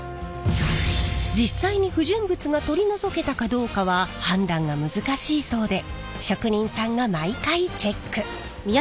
実際に不純物が取り除けたかどうかは判断が難しいそうで職人さんが毎回チェック。